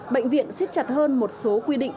bệnh viện xích chặt hơn một số quy định